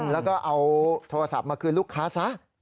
แล้วก็เอาโทรศัพท์มาคืนลูกค้าซะ